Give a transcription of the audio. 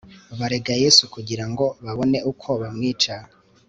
barega yesu kugira ngo babone uko bamwica